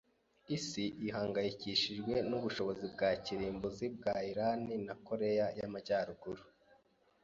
Isi ihangayikishijwe n'ubushobozi bwa kirimbuzi bwa Irani na Koreya y'Amajyaruguru.